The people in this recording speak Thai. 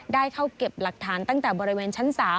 ได้เข้าเก็บหลักฐานตั้งแต่บริเวณชั้น๓